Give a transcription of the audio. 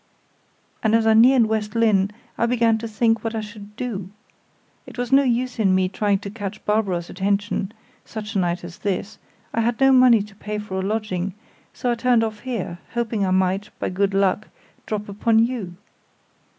"And as I neared West Lynne I began to think what I should do. It was no use in me trying to catch Barbara's attention such a night as this; I had no money to pay for a lodging; so I turned off here, hoping I might, by good luck, drop upon you.